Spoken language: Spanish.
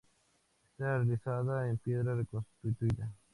Está realizada en piedra reconstituida.